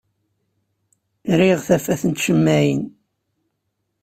Riɣ tafat n tcemmaɛin.